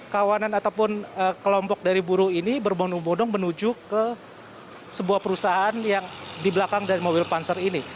kawanan ataupun kelompok dari buruh ini berbondong bondong menuju ke sebuah perusahaan yang di belakang dari mobil panser ini